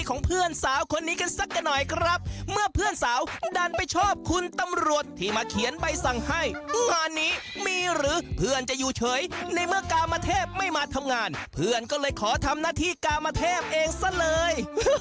คุณสาวเมื่อเพื่อนสาวดันไปชอบคุณตำรวจที่มาเขียนใบสั่งให้งานนี้มีหรือเพื่อนจะอยู่เฉยในเมื่อกามาเทพไม่มาทำงานเพื่อนก็เลยขอทำหน้าที่กามาเทพเองซะเลย